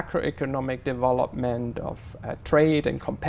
trong các phương pháp